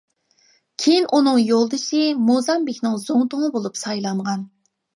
كېيىن ئۇنىڭ يولدىشى موزامبىكنىڭ زۇڭتۇڭى بولۇپ سايلانغان.